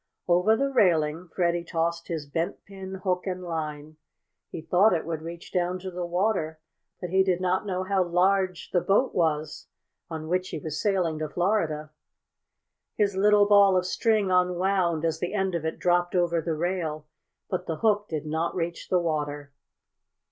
Over the railing Freddie tossed his bent pin hook and line. He thought it would reach down to the water, but he did not know how large the boat was on which he was sailing to Florida. His little ball of string unwound as the end of it dropped over the rail, but the hook did not reach the water.